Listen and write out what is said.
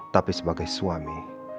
tapi sebagai suami